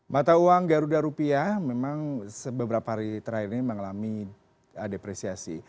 mata uang garuda rupiah memang beberapa hari terakhir ini mengalami depresiasi